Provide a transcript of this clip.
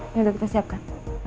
ini udah kita siapkan